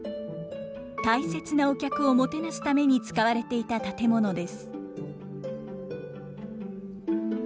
大切なお客をもてなすために使われていた建物です。